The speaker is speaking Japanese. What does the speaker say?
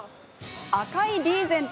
赤いリーゼント。